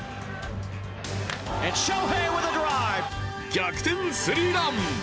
逆転スリーラン。